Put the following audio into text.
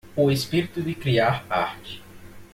O espírito de criar arte